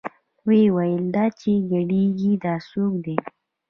ويې ويل دا چې ګډېګي دا سوک دې.